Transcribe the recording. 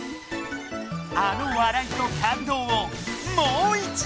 あのわらいと感動をもう一度！